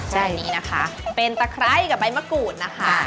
เช่นนี้นะคะเป็นตะไคร้กับใบมะกรูดนะคะ